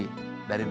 dari negara lainnya